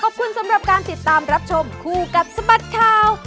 ขอบคุณสำหรับการติดตามรับชมคู่กับสบัดข่าว